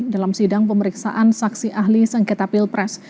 dalam sidang pemeriksaan saksi ahli sengketa pilpres